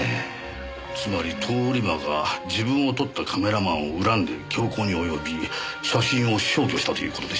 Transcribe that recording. つまり通り魔が自分を撮ったカメラマンを恨んで凶行に及び写真を消去したという事でしょうか。